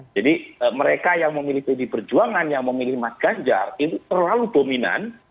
jadi mereka yang memilih pdi perjuangan yang memilih mas ganjar itu terlalu dominan